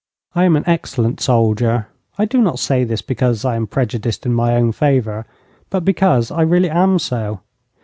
I am an excellent soldier. I do not say this because I am prejudiced in my own favour, but because I really am so.